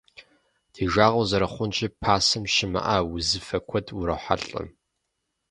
Ди жагъуэ зэрыхъунщи, пасэм щымыӏа узыфэ куэдым урохьэлӏэ.